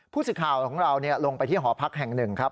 ผู้สื่อข่าวของเราลงไปที่หอพักแห่งหนึ่งครับ